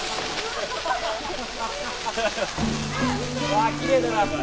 わあきれいだなこれ。